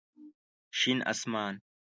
شين اسمان